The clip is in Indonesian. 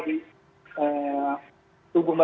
di tubuh mereja